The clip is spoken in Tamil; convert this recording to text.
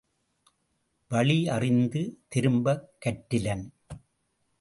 வழி அறிந்து திரும்பக் கற்றிலன்.